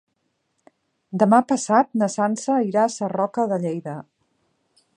Demà passat na Sança irà a Sarroca de Lleida.